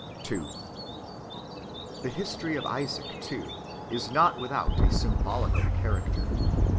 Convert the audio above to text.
2. The history of Isaac, too, is not without a symbolical character.